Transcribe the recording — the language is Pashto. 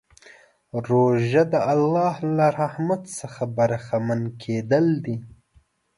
روژه د الله له رحمت څخه برخمن کېدل دي.